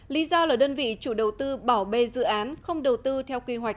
lý do là đơn vị chủ đầu tư bảo bê dự án không đầu tư theo quy hoạch